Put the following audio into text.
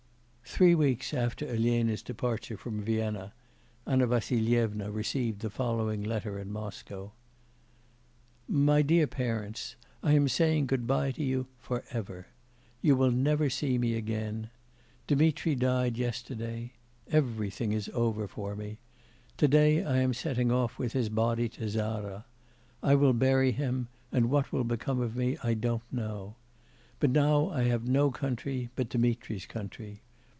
Three weeks after Elena's departure from Vienna, Anna Vassilyevna received the following letter in Moscow: 'My DEAR PARENTS. I am saying goodbye to you for ever. You will never see me again. Dmitri died yesterday. Everything is over for me. To day I am setting off with his body to Zara. I will bury him, and what will become of me, I don't know. But now I have no country but Dmitri's country.